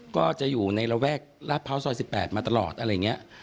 ก็จะอยู่ในระแวกลาดพร้าวซอย๑๘มาตลอดอะไรอย่างนี้